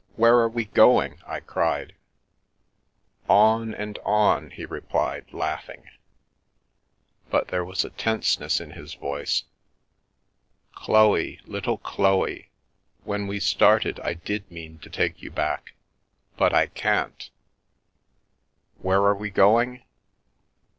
Where are we going? I cried. "On — and on!" he replied, laughing, but there wa a tenseness in his voice. " Chloe, little Chloe, when w started I did mean to take you back — but I can' Where are we going?